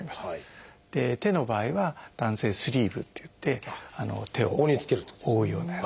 手の場合は弾性スリーブっていって手を覆うようなやつ。